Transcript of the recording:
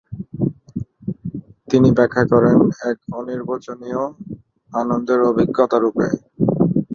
তিনি ব্যাখ্যা করেন এক অনির্বচনীয় আনন্দের অভিজ্ঞতারূপে।